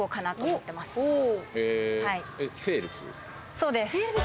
そうです。